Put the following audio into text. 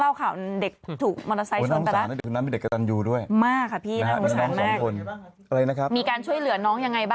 เมื่อกี้น้องเล่าข่าวเด็กถูกมอเทอร์ไซค์ชนไปเอาละ